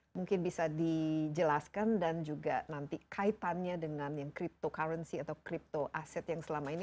mungkin bisa dijelaskan dan juga nanti kaitannya dengan yang cryptocurrency atau crypto aset yang selama ini